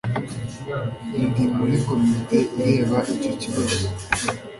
ndi muri komite ireba icyo kibazo